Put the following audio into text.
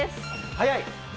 早い。